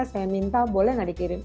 saya minta boleh nggak dikirim